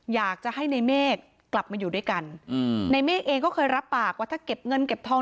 อยากจะให้ในเมฆกลับมาอยู่ด้วยกันอืมในเมฆเองก็เคยรับปากว่าถ้าเก็บเงินเก็บทอง